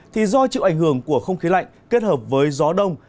thì do chịu ảnh hưởng của không khí lạnh kết hợp với gió đông